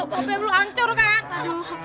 bobek lo hancur kak